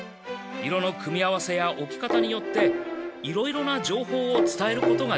色の組み合わせやおき方によっていろいろな情報をつたえることができたのです。